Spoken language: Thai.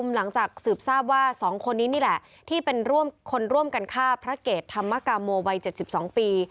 หลังจากสืบทราบว่า๒คนนี้นี่แหละที่เป็นคนร่วมกันฆ่าพระเกตธรรมกาโมวัย๗๒ปี